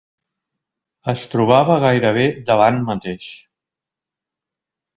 Es trobava gairebé davant mateix